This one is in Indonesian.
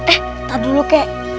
eh entar dulu kek